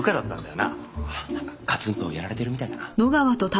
なんかガツンとやられてるみたいだな。